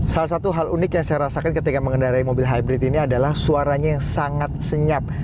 salah satu hal unik yang saya rasakan ketika mengendarai mobil hybrid ini adalah suaranya yang sangat senyap